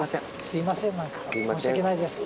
申し訳ないです。